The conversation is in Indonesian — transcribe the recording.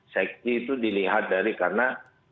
safety itu dilihat dari karena